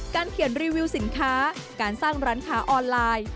เขียนรีวิวสินค้าการสร้างร้านค้าออนไลน์